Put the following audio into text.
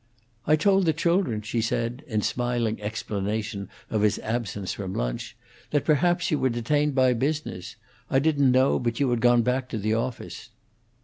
"I told the children," she said, in smiling explanation of his absence from lunch, "that perhaps you were detained by business. I didn't know but you had gone back to the office."